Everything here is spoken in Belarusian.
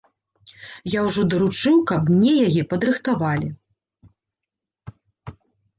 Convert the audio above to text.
Я ўжо даручыў, каб мне яе падрыхтавалі.